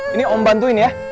ini om bantuin ya